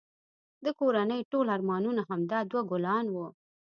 د کورنی ټول ارمانونه همدا دوه ګلان وه